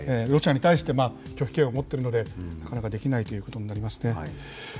ロシアに対して、拒否権を持っているので、なかなかできないということになりますね。